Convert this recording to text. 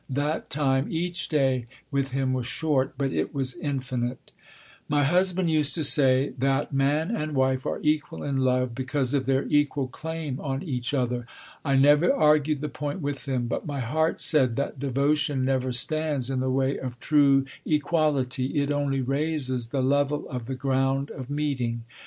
That time, each day, with him was short; but it was infinite. My husband used to say, that man and wife are equal in love because of their equal claim on each other. I never argued the point with him, but my heart said that devotion never stands in the way of true equality; it only raises the level of the ground of meeting.